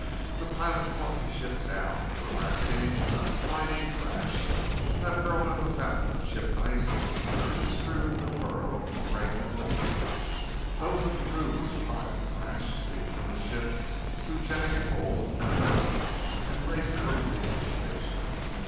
The pilot fought the ship down to a racketing, sliding crash that hurled up a fountain of chipped ice and strewed the furrow with fragments of ship. Those of the crew who survived the crash leaped from the ship through jagged holes in the hull and raced for the relay station.